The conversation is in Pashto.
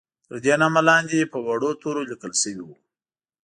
تر دې نامه لاندې په وړو تورو لیکل شوي وو.